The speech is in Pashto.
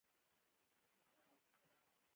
ټولنیز واټن له څلورو تر لسو فوټو پورې وي.